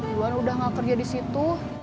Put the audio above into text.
gimana udah gak kerja di situ